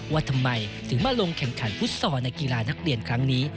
ว่าทำไมถึงมาลงแข่งขันฟุตซอลในกีฬานักเรียนครั้งนี้